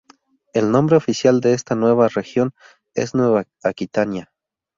El nombre oficial de esta nueva región es Nueva Aquitania.